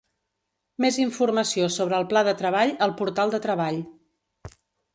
Més informació sobre el pla de treball al portal de Treball.